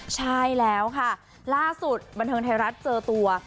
ใช่แล้วค่ะล่าสุดบันเทิงไทยรัฐเจอตัว